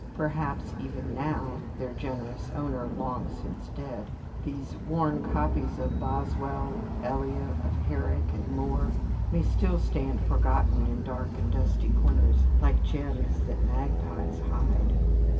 Perhaps even now (their generous owner long since dead) these worn copies of Boswell, of Elia, of Herrick, and Moore, may still stand forgotten in dark and dusty corners, like gems that magpies hide.